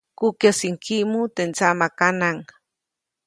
Kukyäjsiʼuŋ kiʼmu teʼ ndsaʼmakanaʼŋ.